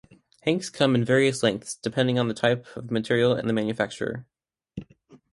Hanks come in varying lengths depending on the type of material and the manufacturer.